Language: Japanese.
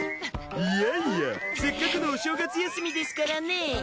いやいやせっかくのお正月休みですからね。